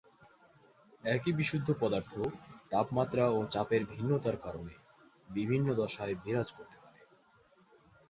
একই বিশুদ্ধ পদার্থ তাপমাত্রা ও চাপের ভিন্নতার কারণে বিভিন্ন দশায় বিরাজ করতে পারে।